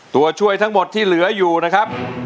ตัวช่วยทั้งหมดที่เหลืออยู่นะครับ